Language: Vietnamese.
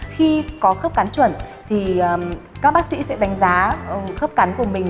khi có khớp cắn chuẩn thì các bác sĩ sẽ đánh giá khớp cắn của mình